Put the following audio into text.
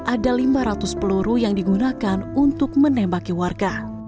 ada lima ratus peluru yang digunakan untuk menembaki warga